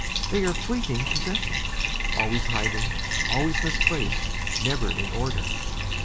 They are fleeting possessions, always hiding, always misplaced, never in order.